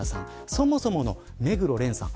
そもそもの目黒蓮さん